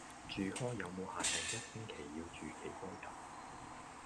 住 hall 有無限定一星期要住幾多日?